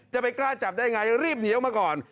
จะไปกล้าจับได้ไงรีบหนีออกมาก่อน